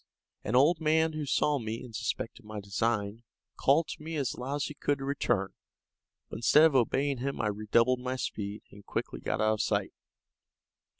An old man who saw me, and suspected my design, called to me as loud as he could to return; but instead of obeying him I redoubled my speed, and quickly got out of sight.